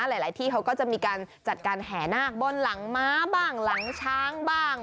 หลายที่เขาก็จะมีการจัดการแห่นาคบนหลังม้าบ้างหลังช้างบ้าง